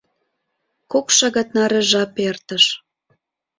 Кок шагат наре жап эртыш.